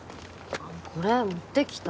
これ持ってきた